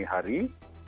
jadi kita harus berjalan